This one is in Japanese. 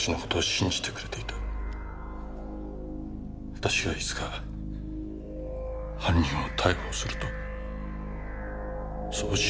私がいつか犯人を逮捕するとそう信じてくれていた。